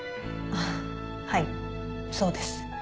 あっはいそうです。